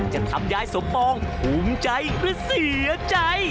จะทำยายสมปองภูมิใจหรือเสียใจ